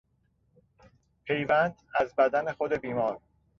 پیوند از بدن خود بیمار